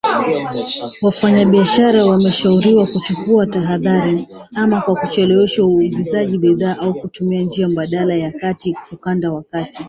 Wafanyabiashara wameshauriwa kuchukua tahadhari, ama kwa kuchelewesha uagizaji bidhaa au kutumia njia mbadala ya kati ukanda wa kati.